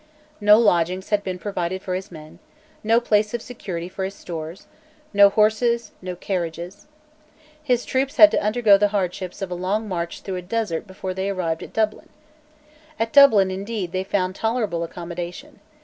No lodgings had been provided for his men, no place of security for his stores, no horses, no carriages, His troops had to undergo the hardships of a long march through a desert before they arrived at Dublin. At Dublin, indeed, they found tolerable accommodation.